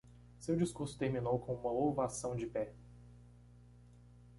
Seu discurso terminou com uma ovação de pé.